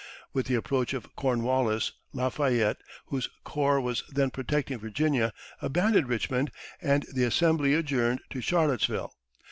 With the approach of Cornwallis, La Fayette, whose corps was then protecting Virginia, abandoned Richmond, and the Assembly adjourned to Charlottesville.